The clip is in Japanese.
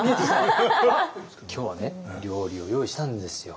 今日はね料理を用意したんですよ。